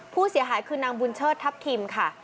ผู้เสียหายคือนางบุญเชิดทัพทิมค่ะ